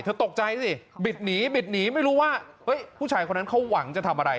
ตกใจสิบิดหนีบิดหนีไม่รู้ว่าผู้ชายคนนั้นเขาหวังจะทำอะไร